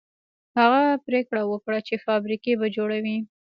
هغه پرېکړه وکړه چې فابريکې به جوړوي.